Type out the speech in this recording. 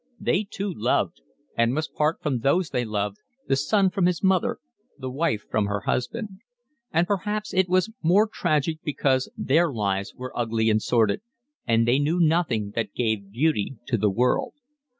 They too loved and must part from those they loved, the son from his mother, the wife from her husband; and perhaps it was more tragic because their lives were ugly and sordid, and they knew nothing that gave beauty to the world.